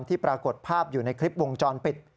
ปรากฏภาพอยู่ในคลิปวงจรปิด